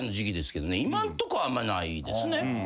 今んとこはあんまないですね。